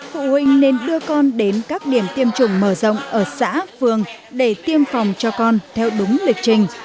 phụ huynh nên đưa con đến các điểm tiêm chủng mở rộng ở xã phường để tiêm phòng cho con theo đúng lịch trình